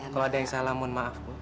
kalo ada yang salah mohon maaf bu